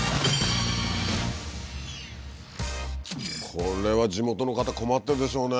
これは地元の方困ってるでしょうね。